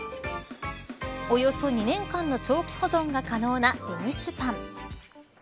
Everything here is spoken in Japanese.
およそ２年間の長期保存が可能なデニッシュパン。